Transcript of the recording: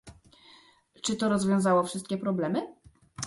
Czy to rozwiązało wszystkie problemy?